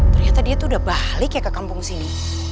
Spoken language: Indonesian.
ternyata dia tuh udah balik ya ke kampung sini